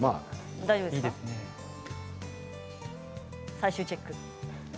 最終チェック。